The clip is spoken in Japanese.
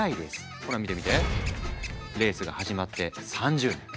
ほら見て見てレースが始まって３０年。